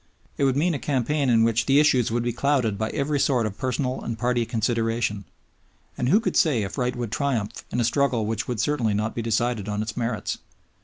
It would mean a campaign in which the issues would be clouded by every sort of personal and party consideration, and who could say if right would triumph in a struggle which would certainly not be decided on its merits?